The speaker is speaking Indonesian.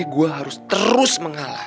gua harus terus mengalah